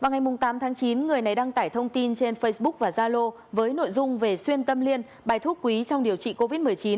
vào ngày tám tháng chín người này đăng tải thông tin trên facebook và zalo với nội dung về xuyên tâm liên bài thuốc quý trong điều trị covid một mươi chín